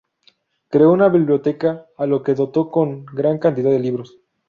Creó una biblioteca a la que dotó con gran cantidad de libros.